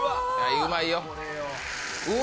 うまいよ。